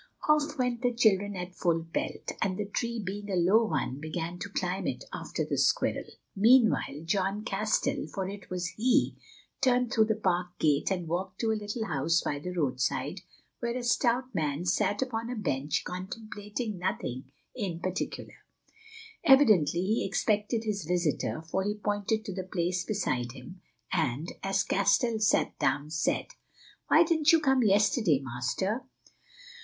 Off went the children at full pelt, and the tree being a low one, began to climb it after the squirrel. Meanwhile John Castell, for it was he, turned through the park gate and walked to a little house by the roadside, where a stout man sat upon a bench contemplating nothing in particular. Evidently he expected his visitor, for he pointed to the place beside him, and, as Castell sat down, said: "Why didn't you come yesterday, Master?"